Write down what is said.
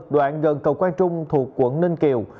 đoạn gần cầu quang trung thuộc quận ninh kiều